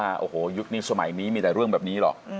โอ้โหยุคนี้สมัยนี้มีแต่เรื่องแบบนี้หรอก